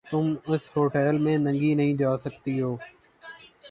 تم اِس ہوٹیل میں ننگی نہیں جا سکتی ہو۔